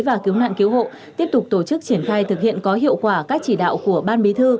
và cứu nạn cứu hộ tiếp tục tổ chức triển khai thực hiện có hiệu quả các chỉ đạo của ban bí thư